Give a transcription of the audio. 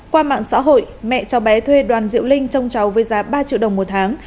qua mạng xã hội mẹ cháu bé thuê đoàn diệu linh trông cháu với giá ba triệu đồng một tháng